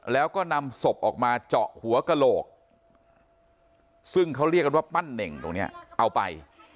แล้วก็นำศพออกมาเจาะหัวกระโหลกซึ่งเขาเรียกกันว่าปั้นเน่งตรงนี้เอาไป